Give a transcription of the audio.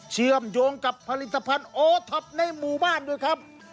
เชื่อมโยงกับผลิตภัณฑ์โอท็อปในหมู่บ้านด้วยครับ